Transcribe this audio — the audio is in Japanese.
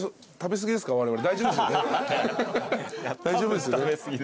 大丈夫ですよね？